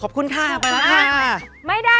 ขอบคุณค่ะไปแล้วค่ะ